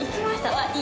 はい。